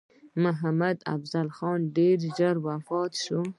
محمدافضل خان ډېر ژر وفات شو.